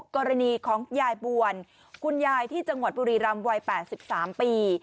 กรณีของยายบวนคุณยายที่จังหวัดบุรีรำวัย๘๓ปี